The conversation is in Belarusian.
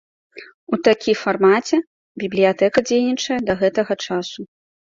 У такі фармаце бібліятэка дзейнічае да гэтага часу.